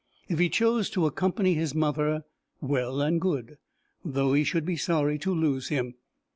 If he chose to accompany his mother, well and good! though he should be sorry to lose him.